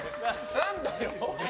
何だよ。